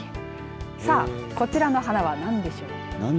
さあこちらの花は何でしょうか。